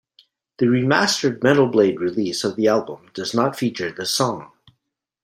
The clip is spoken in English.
The remastered Metal Blade release of the album does not feature this song.